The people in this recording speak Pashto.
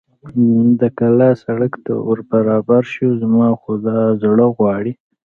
د کلا سړک ته ور برابر شو، زما خو دا زړه غواړي.